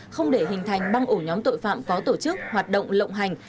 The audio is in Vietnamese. không để hình thành băng ổ nhóm tội phạm có tổ chức hoạt động lộng hành